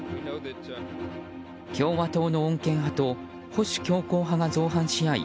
共和党の穏健派と保守強硬派が造反し合い